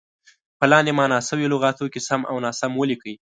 په لاندې معنا شوو لغتونو کې سم او ناسم ولیکئ.